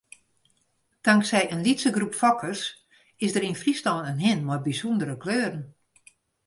Tanksij in lytse groep fokkers is der yn Fryslân in hin mei bysûndere kleuren.